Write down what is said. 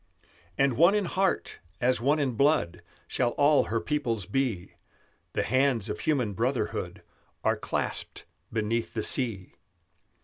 "And one in heart, as one in blood, Shall all her peoples be; The hands of human brotherhood Are clasped beneath the sea.